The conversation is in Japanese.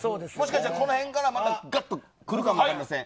この辺からぐっとくるかもしれません。